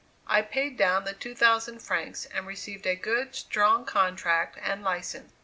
I paid down the 2,000 francs and received a good, strong contract and license.